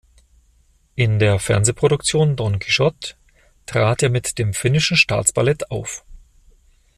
In der Fernsehproduktion "Don Quixote" trat er mit dem Finnischen Staatsballett auf.